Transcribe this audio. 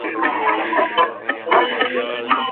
روغتیایي ډیټا ولي مهمه ده؟